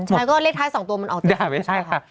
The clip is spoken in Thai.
ใช่ก็เลขท้ายสองตัวมันออก๗๐ค่ะ